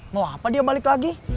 mau apa dia balik lagi